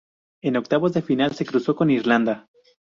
En octavos de final, se cruzó con Irlanda.